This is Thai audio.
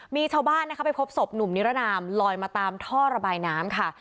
มีชาวบ้านนะคะไปพบศพหนุ่มนิรนามลอยมาตามท่อระบายน้ำค่ะ